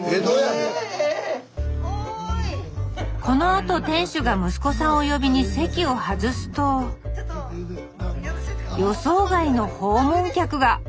このあと店主が息子さんを呼びに席を外すと予想外の訪問客が！